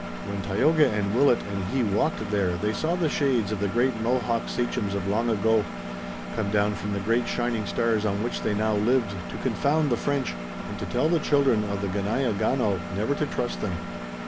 When Tayoga and Willet and he walked there, they saw the shades of the great Mohawk sachems of long ago, come down from the great shining stars on which they now lived, to confound the French, and to tell the children of the Ganeagaono never to trust them.